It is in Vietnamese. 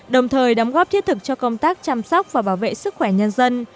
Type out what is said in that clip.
đồng thời đóng góp thiết thực cho công tác chăm sóc và bảo vệ sức khỏe nhân dân